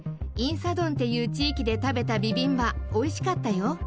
仁寺洞っていう地域で食べたビビンバ、おいしかったよ。